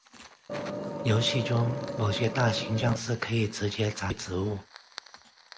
游戏中某些大型僵尸可以直接砸碎植物。